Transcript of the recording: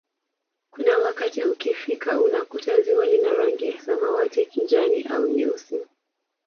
Kuna wakati ukifika unakuta ziwa lina rangi ya samawati kijani au nyeusi